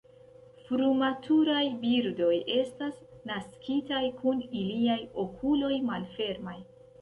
Frumaturaj birdoj estas naskitaj kun iliaj okuloj malfermaj.